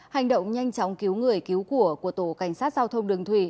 hành động nhanh chóng cứu người cứu của của tổ cảnh sát giao thông đường thủy